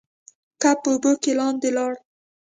کب په اوبو کې لاندې لاړ.